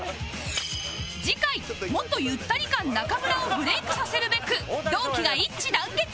次回元ゆったり感中村をブレークさせるべく同期が一致団結